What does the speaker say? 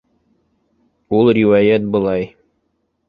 Ул риүәйәт былай.